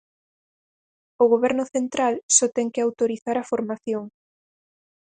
O Goberno central só ten que autorizar a formación.